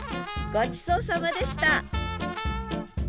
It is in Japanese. ごちそうさまでした！